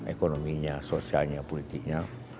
ekonominya sosialnya politiknya